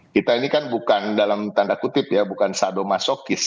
kita ini kan bukan dalam tanda kutip ya bukan sadomasokis